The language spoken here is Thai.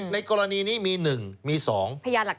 ในกรณีนี้มีหนึ่งมีสอง